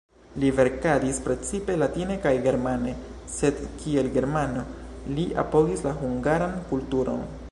Li verkadis precipe latine kaj germane, sed kiel germano, li apogis la hungaran kulturon.